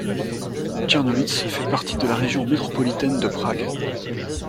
Černošice fait partie de la région métropolitaine de Prague.